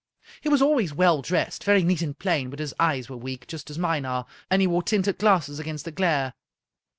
He was always well dressed, very neat and plain, but his eyes were weak, just as mine are, and he wore tinted glasses against the glare."